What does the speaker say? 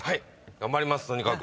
頑張りますとにかく。